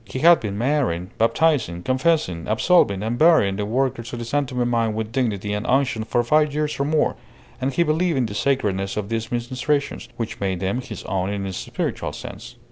He had been marrying, baptizing, confessing, absolving, and burying the workers of the San Tome mine with dignity and unction for five years or more; and he believed in the sacredness of these ministrations, which made them his own in a spiritual sense.